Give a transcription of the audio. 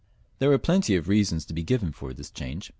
There were plenty of reasons to be given for his change.